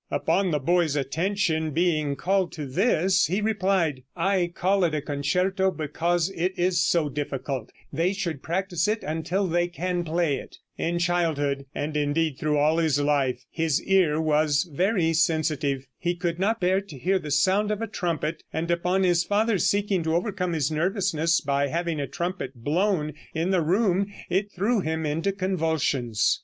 Upon the boy's attention being called to this, he replied, "I call it a concerto because it is so difficult; they should practice it until they can play it." In childhood, and indeed all through life, his ear was very sensitive. He could not bear to hear the sound of a trumpet, and upon his father seeking to overcome his nervousness by having a trumpet blown in the room, it threw him into convulsions.